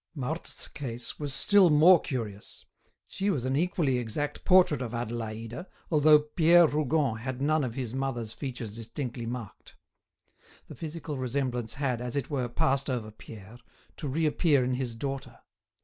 Marthe's case was still more curious; she was an equally exact portrait of Adélaïde, although Pierre Rougon had none of his mother's features distinctly marked; the physical resemblance had, as it were, passed over Pierre, to reappear in his daughter.